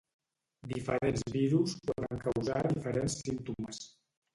Diferents virus poden causar diferents símptomes.